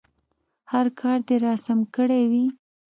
هر کار دې راسم کړی وي.